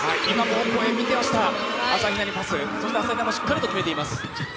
オコエ見ていました、朝比奈にパス、そして朝比奈もしっかりと決めています。